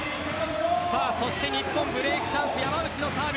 そして日本、ブレークチャンス山内のサーブ。